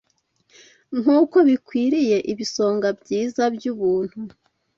nk’uko bikwiriye ibisonga byiza by’ubuntu